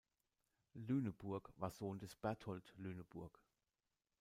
Lüneburg war Sohn des Bertold Lüneburg.